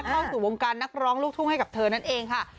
เข้าสู่วงการนักร้องลูกทุ่งให้กับเธอนั่นเองค่ะ